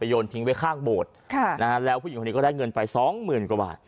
โยนทิ้งไว้ข้างโบสถ์ค่ะนะฮะแล้วผู้หญิงคนนี้ก็ได้เงินไปสองหมื่นกว่าบาท